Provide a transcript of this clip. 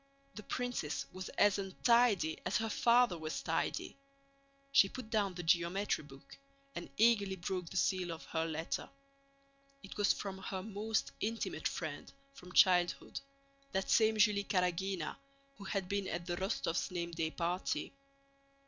The princess was as untidy as her father was tidy. She put down the geometry book and eagerly broke the seal of her letter. It was from her most intimate friend from childhood; that same Julie Karágina who had been at the Rostóvs' name day party.